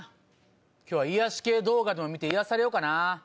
今日は癒やし系動画でも見て癒やされようかなぁ。